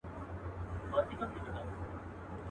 تر ملكونو تر ښارونو رسيدلي.